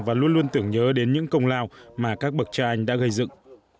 và luôn luôn tưởng nhớ đến những công lao mà các bậc cha anh đã gây dựng